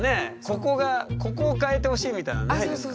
ここがここを変えてほしいみたいなのないですか？